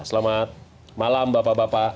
selamat malam bapak bapak